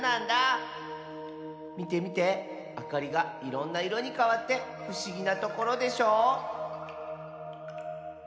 みてみてあかりがいろんないろにかわってふしぎなところでしょう！